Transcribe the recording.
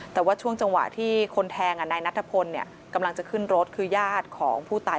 แต่ว่าช่วงจังหวะที่คนแทงนายนัทพลกำลังจะขึ้นรถคือญาติของผู้ตาย